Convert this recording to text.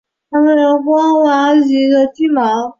复眼光滑或具毛。